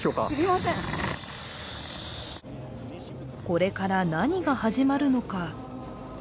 これから何が始まるのか。